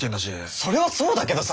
それはそうだけどさ。